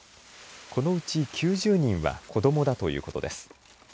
このうち９０人は子どもだということです。